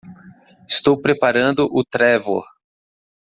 Estou preparando o Trevor!